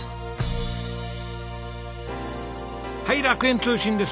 はい楽園通信です。